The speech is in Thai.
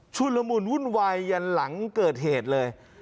ชุดลมุลวุ่นไหวหยั่นหลังโจรเหตุเลย